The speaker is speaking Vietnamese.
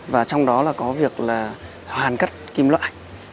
và trong đó có việc là hàn cắt kim loại